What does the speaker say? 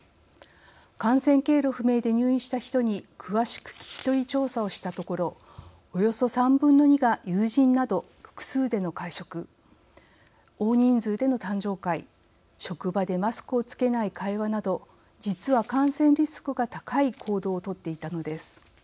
感染経路不明で入院した人に詳しく聞き取り調査をしたところおよそ３分の２が友人など複数での会食大人数での誕生会職場でマスクを着けない会話など実は感染リスクが高い行動を取っていたのです。